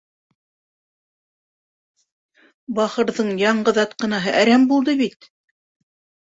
— Бахырҙың яңғыҙ атҡынаһы әрәм булды бит.